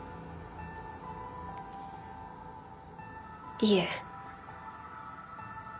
いえ。